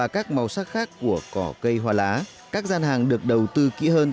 các màu sắc khác của cỏ cây hoa lá các gian hàng được đầu tư kỹ hơn